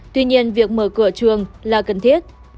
tuy nhiên việc mở cửa trường là cần thiết